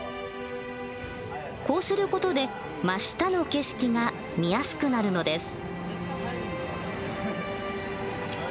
こうする事で真下の景色が見やすくなるのです。